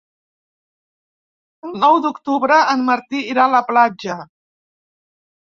El nou d'octubre en Martí irà a la platja.